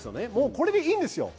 これでいいんですよ。